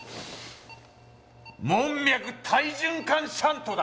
門脈体循環シャントだ！